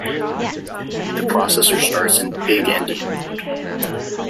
The processor starts in big-endian mode.